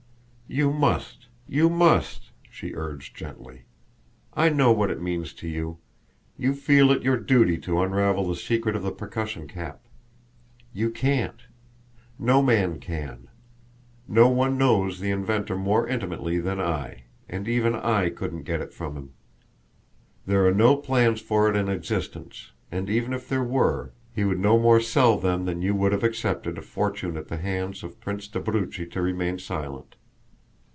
"You must you must," she urged gently. "I know what it means to you. You feel it your duty to unravel the secret of the percussion cap? You can't; no man can. No one knows the inventor more intimately than I, and even I couldn't get it from him. There are no plans for it in existence, and even if there were he would no more sell them than you would have accepted a fortune at the hands of Prince d'Abruzzi to remain silent.